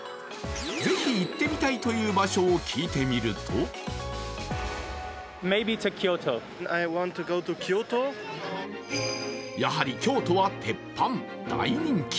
ぜひ行ってみたいという場所を聞いてみるとやはり京都は鉄板、大人気。